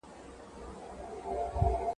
د مختلفو عواملو له مخي، وېره لري